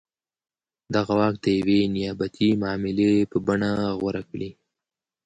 دغه واک د یوې نیابتي معاملې بڼه غوره کړې.